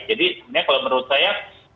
jadi sebenarnya kalau menurut saya